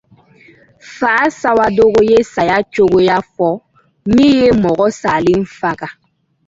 Fa Sawadogo ye saya cogoya fɔ min ye mɔgɔ salen faga.